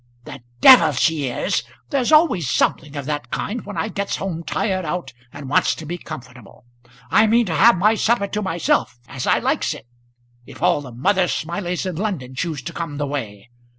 "The d she is! There's always something of that kind when I gets home tired out, and wants to be comfortable. I mean to have my supper to myself, as I likes it, if all the Mother Smileys in London choose to come the way.